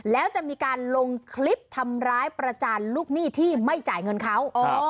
แล้วจะมีการลงคลิปทำร้ายประจานลูกหนี้ที่ไม่จ่ายเงินเขา